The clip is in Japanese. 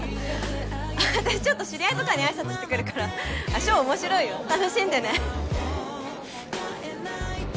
私ちょっと知り合いとかにあいさつしてくるからショーおもしろいよ楽しんでね